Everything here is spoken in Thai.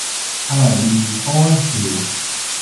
อร่อยดี โอ้ย หิว